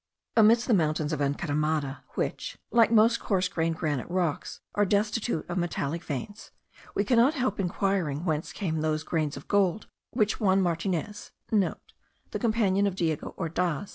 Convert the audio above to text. Amidst the mountains of Encaramada, which, like most coarse grained granite rocks, are destitute of metallic veins, we cannot help inquiring whence came those grains of gold which Juan Martinez* (* The companion of Diego Ordaz.)